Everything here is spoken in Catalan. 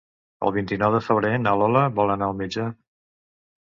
El vint-i-nou de febrer na Lola vol anar al metge.